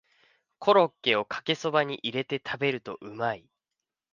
コロッケをかけそばに入れて食べるとうまい